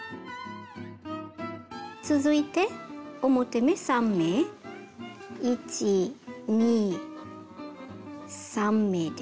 続いて表目３目１２３目ですね。